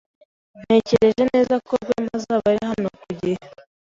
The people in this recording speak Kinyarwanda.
Natekereje neza ko Rwema azaba ari hano ku gihe.